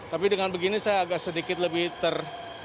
tapi dengan begini saya agak sedikit lebih ter